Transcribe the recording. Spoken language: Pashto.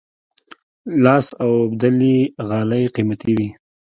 لاس اوبدلي غالۍ قیمتي وي.